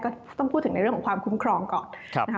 ก็ต้องพูดถึงในเรื่องของความคุ้มครองก่อนนะคะ